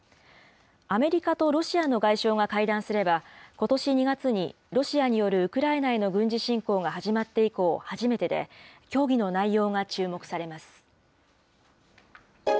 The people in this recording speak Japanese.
アメリカとロシアの外相が会談すれば、ことし２月にロシアによるウクライナへの軍事侵攻が始まって以降、初めてで、協議の内容が注目されます。